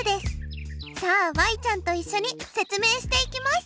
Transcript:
さあちゃんといっしょに説明していきます。